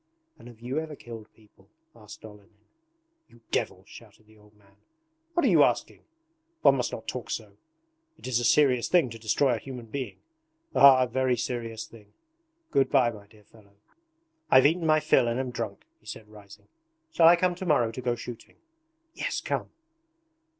'And have you ever killed people?' asked Olenin. 'You devil!' shouted the old man. 'What are you asking? One must not talk so. It is a serious thing to destroy a human being ... Ah, a very serious thing! Good bye, my dear fellow. I've eaten my fill and am drunk,' he said rising. 'Shall I come to morrow to go shooting?' 'Yes, come!'